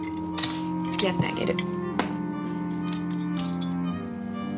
付き合ってあげる。